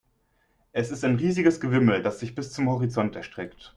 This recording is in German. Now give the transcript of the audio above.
Es ist ein riesiges Gewimmel, das sich bis zum Horizont erstreckt.